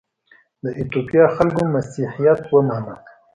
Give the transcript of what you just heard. د ایتوپیا خلکو مسیحیت ومانه.